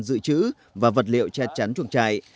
dự trữ và vật liệu che chắn chuồng trại